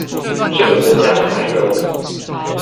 這個國家的繁榮